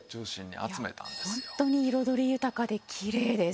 ホントに彩り豊かできれいです！